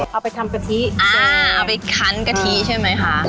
เอาไปทำกะทิอ่าเอาไปคันกะทิใช่ไหมคะ